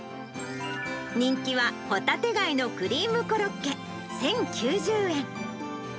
人気は帆立貝のクリームコロッケ１０９０円。